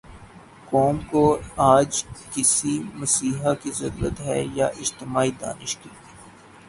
قوم کو آج کسی مسیحا کی ضرورت ہے یا اجتماعی دانش کی؟